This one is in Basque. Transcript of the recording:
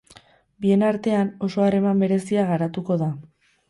Bien artean oso harreman berezia garatuko da.